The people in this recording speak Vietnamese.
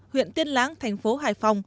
huyện tiên láng thành phố hải phòng